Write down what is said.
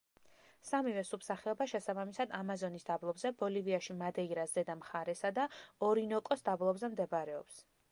სამივე სუბსახეობა შესაბამისად ამაზონის დაბლობზე, ბოლივიაში მადეირას ზედა მხარესა და ორინოკოს დაბლობზე მდებარეობს.